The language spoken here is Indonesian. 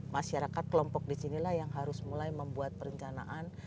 masyarakat kelompok di sinilah yang harus mulai membuat perencanaan